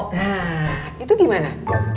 nah itu gimana